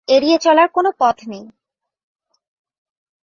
এড়িয়ে চলার কোনো পথ নেই।